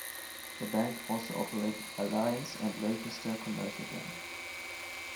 The bank also operated Alliance and Leicester Commercial Bank.